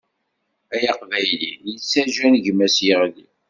Ay Aqbayli yettaǧǧan gma-s yeɣli.